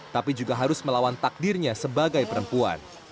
tapi juga harus melawan takdirnya sebagai perempuan